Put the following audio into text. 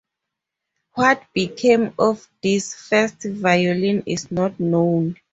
What became of this first violin is not known.